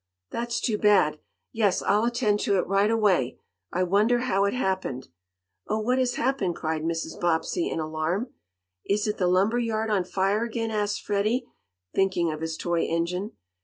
That's too bad! Yes, I'll attend to it right away. I wonder how it happened?" "Oh, what has happened?" cried Mrs. Bobbsey, in alarm. "Is the lumber yard on fire again?" asked Freddie, thinking of his toy engine.